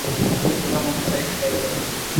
যেটা মনে চায় সেটাই করো।